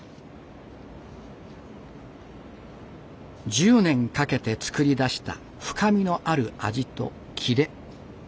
１０年かけて造り出した深みのある味とキレ。